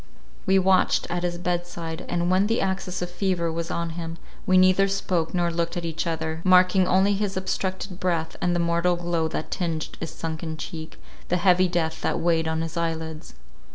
We watched at his bedside, and when the access of fever was on him, we neither spoke nor looked at each other, marking only his obstructed breath and the mortal glow that tinged his sunken cheek, the heavy death that weighed on his eyelids.